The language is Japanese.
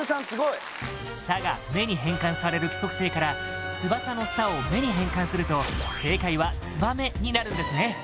すごい「さ」が「め」に変換される規則性から「つばさ」の「さ」を「め」に変換すると正解は「つばめ」になるんですね